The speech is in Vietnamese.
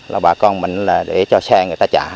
là bà con mình là để cho xe người ta chạy